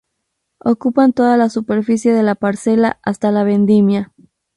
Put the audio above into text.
Ocupan toda la superficie de la parcela hasta la vendimia.